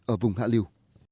ở vùng hạ liêu